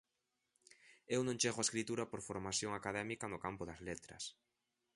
Eu non chego á escritura por formación académica no campo das letras.